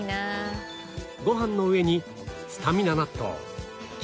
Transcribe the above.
ご飯の上にスタミナ納豆キムチ